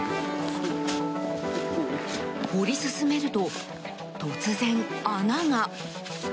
掘り進めると突然、穴が。